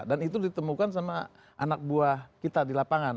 dan itu ditemukan sama anak buah kita di lapangan